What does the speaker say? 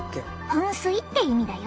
噴水って意味だよ。